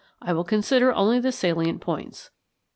I will consider only the salient points.